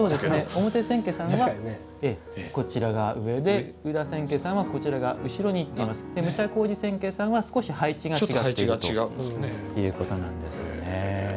表千家さんがこちら上で裏千家さんはこちらが後ろになって武者小路千家さんは少し配置が違っているということなんですよね。